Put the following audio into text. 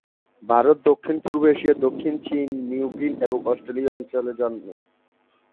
ভারত, দক্ষিণ-পুর্ব এশিয়া, দক্ষিণ চীন, নিউ গিনি এবং অস্ট্রেলিয়া অঞ্চলে জন্মে।